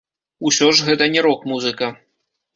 Усё ж, гэта не рок-музыка.